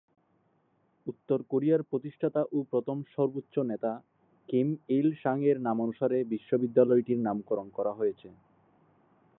উত্তর কোরিয়ার প্রতিষ্ঠাতা ও প্রথম সর্বোচ্চ নেতা কিম ইল-সাংয়ের নামানুসারে বিশ্ববিদ্যালয়টির নামকরণ করা হয়েছে।